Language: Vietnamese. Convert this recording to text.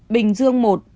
bình dương một